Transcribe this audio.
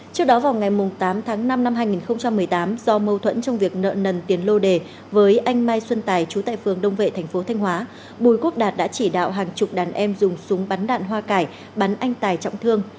trước đó vào ngày tám tháng năm năm hai nghìn một mươi tám do mâu thuẫn trong việc nợ nần tiền lô đề với anh mai xuân tài chú tại phường đông vệ thành phố thanh hóa bùi quốc đạt đã chỉ đạo hàng chục đàn em dùng súng bắn đạn hoa cải bắn anh tài trọng thương